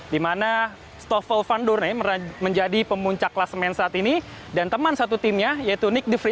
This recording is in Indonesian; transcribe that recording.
di mana stoffel van doornen menjadi pemuncak kelasemen saat ini dan teman satu timnya yaitu nick de vrij